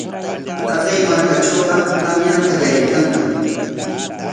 Taqay markatrawqa tamyar qallariykanñam.